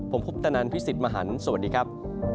ผมพุทธนันพี่สิทธิ์มหันฯสวัสดีครับ